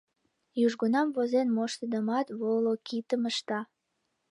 Южгунам возен моштыдымат волокитым ышта.